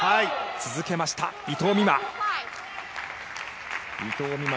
続けました、伊藤美誠。